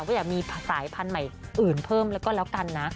ก็อยากมีสายพันธุ์ใหม่อื่นเพิ่มแล้วก็แล้วกันนะ